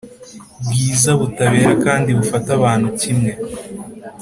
Bwiza butabera kandi bufata abantu kimwe